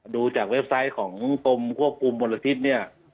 ดูจากเว็บไซต์ของกรมควบคุมมลทิศเนี่ย